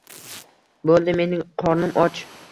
— Bo’ldi, mening qornim och…